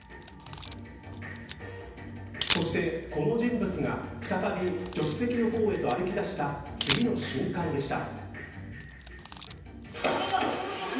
そして、この人物が再び助手席の方へと歩き出した次の瞬間でした。